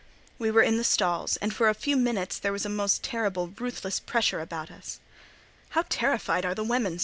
We were in the stalls, and for a few minutes there was a most terrible, ruthless pressure about us. "How terrified are the women!"